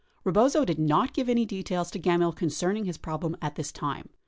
Rebozo did not give any details to Gemmill concerning his problem at this time.